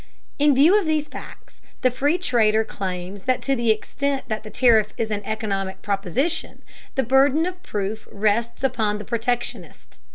In view of these facts, the free trader claims that to the extent that the tariff is an economic proposition, the burden of proof rests upon the protectionist.